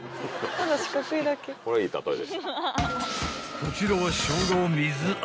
［こちらは］